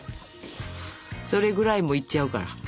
それぐらいもういっちゃうから。